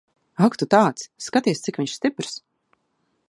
Ak tu tāds. Skaties, cik viņš stiprs.